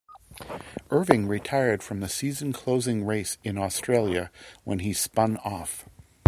Irvine retired from the season closing race in Australia when he spun off.